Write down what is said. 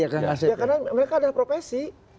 ya karena mereka ada profesi